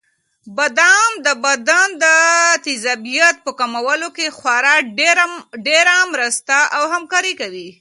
بادام د بدن د تېزابیت په کمولو کې خورا ډېره مرسته او همکاري کوي.